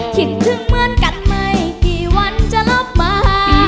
คิดถึงเหมือนกันไม่กี่วันจะรับมา